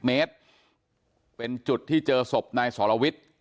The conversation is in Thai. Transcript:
เมตรเป็นจุดที่เจอศพนายสรวิทย์